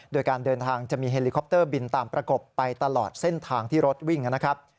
โดยการเดินทางจะมีเฮลิคอปเตอร์บินตามประกบไปตลอดเส้นทางที่รถวิ่งนะครับ